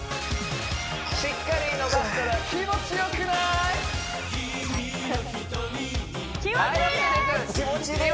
しっかり伸ばしたら気持ちいいです